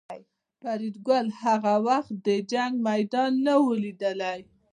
فریدګل هغه وخت د جنګ میدان نه و لیدلی